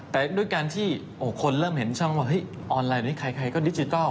แต่ด้วยการที่คนเริ่มเห็นช่องว่าเฮ้ยออนไลน์นี้ใครก็ดิจิทัล